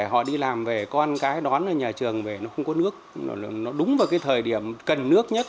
họ đi làm về con cái đón ở nhà trường về nó không có nước nó đúng vào cái thời điểm cần nước nhất